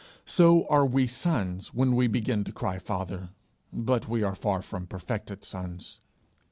So are we sons when we begin to cry Father, but we are far from perfected sons.